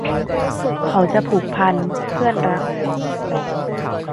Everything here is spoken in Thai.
เขาจะผูกพัน เพื่อนรัก